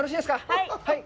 はい。